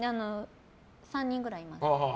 ３人くらいいます。